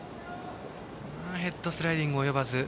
ヘッドスライディング及ばず。